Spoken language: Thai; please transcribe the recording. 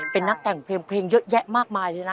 เป็นนักแต่งเพลงเยอะแยะมากมายเลยนะ